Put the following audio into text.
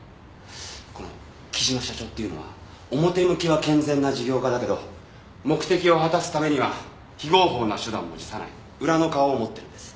この貴島社長っていうのは表向きは健全な事業家だけど目的を果たすためには非合法な手段も辞さない裏の顔を持ってるんです。